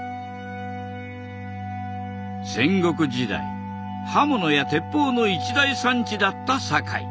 戦国時代刃物や鉄砲の一大産地だった堺。